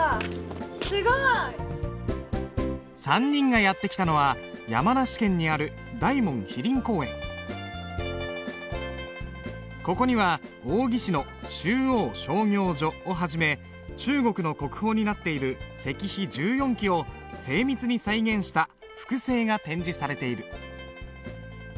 すごい！３人がやって来たのは山梨県にあるここには王羲之の「集王聖教序」をはじめ中国の国宝になっている石碑１４基を精密に再現した複製が展示されている。